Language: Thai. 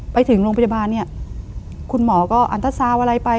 ไปถึงโรงพยาบาลเนี่ยคุณหมอก็อันตราซาวอะไรไป